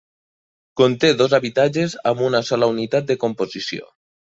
Conté dos habitatges amb una sola unitat de composició.